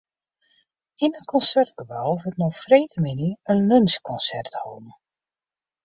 Yn it Konsertgebou wurdt no freedtemiddei in lunsjkonsert holden.